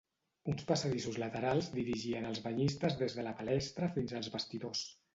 Uns passadissos laterals dirigien els banyistes des de la palestra fins als vestidors.